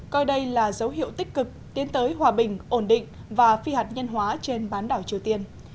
coi đây là dấu hiệu tích cực tiến tới hòa bình ổn định và phi hạt nhân hóa trên bán đảo triều tiên